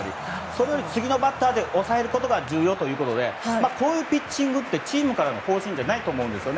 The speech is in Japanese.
それより次のバッターで抑えるほうが重要ということでこういうピッチングってチームからの方針じゃないと思うんです。